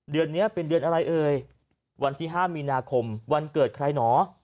เดือนนี้เป็นเดือนอะไรเอ่ยวันที่๕มีนาคมวันเกิดใครเหรอ